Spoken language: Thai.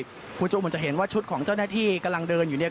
คุณผู้ชมเหมือนจะเห็นว่าชุดของเจ้าหน้าที่กำลังเดินอยู่เนี่ย